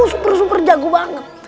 super super jago banget